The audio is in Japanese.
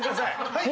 はい。